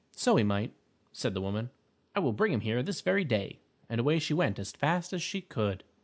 "So he might," said the woman. "I will bring him here this very day," and away she went as fast as she could.